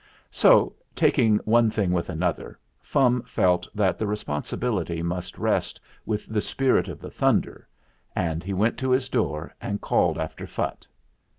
So, taking one thing with another, Fum felt that the responsibility must rest with the Spirit of the Thunder, and he went to his door and called after Phutt.